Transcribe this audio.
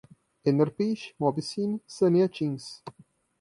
Enerpeixe, Mobi Cine, Saneatins